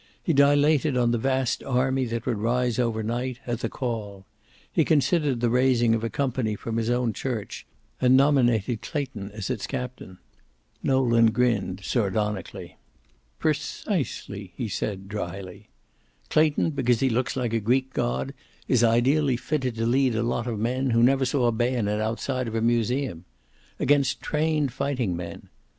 He dilated on the vast army that would rise overnight, at the call. He considered the raising of a company from his own church, and nominated Clayton as its captain. Nolan grinned sardonically. "Precisely," he said dryly. "Clayton, because he looks like a Greek god, is ideally fitted to lead a lot of men who never saw a bayonet outside of a museum. Against trained fighting men.